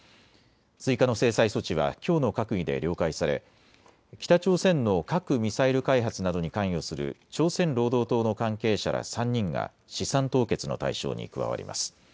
追加の制裁措置はきょうの閣議で了解され北朝鮮の核・ミサイル開発などに関与する朝鮮労働党の関係者ら３人が資産凍結の対象に加わります。